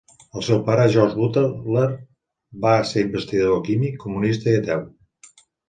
El seu pare, George Butler, va ser investigador químic, comunista i ateu.